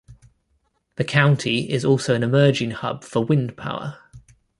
The county is also an emerging hub for wind power.